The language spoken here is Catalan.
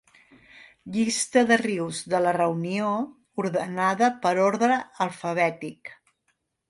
Llista de rius de La Reunió, ordenada per ordre alfabètic.